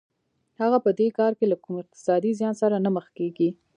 هغه په دې کار کې له کوم اقتصادي زیان سره نه مخ کېږي